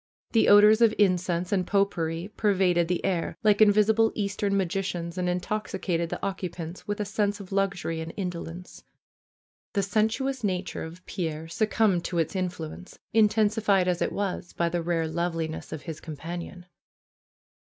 The odors of incense and pot pourri pervaded the air, like invisible Eastern magicians, and intoxicated the occupants with a sense of luxury and indolence. The sensuous nature of Pierre succumbed to its influence, intensified as it was by the rare loveliness of his companion.